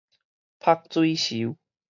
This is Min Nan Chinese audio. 覆水泅